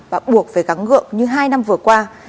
và buộc về gắng gượng như hai năm vừa qua